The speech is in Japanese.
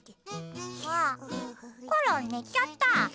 コロンねちゃった。